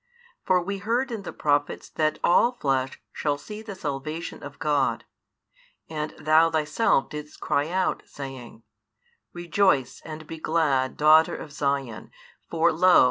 For we heard in the prophets that all flesh shall see the salvation of God, and Thou Thyself didst cry out, saying, Rejoice and be glad, daughter of Sion, for lo!